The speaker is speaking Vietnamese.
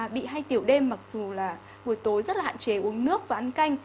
bị hay tiểu đêm mặc dù là buổi tối rất là hạn chế uống nước và ăn canh